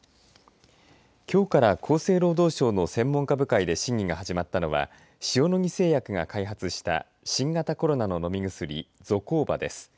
きょうから厚生労働省の専門家部会で審議が始まったのは塩野義製薬が開発した新型コロナの飲み薬ゾコーバです。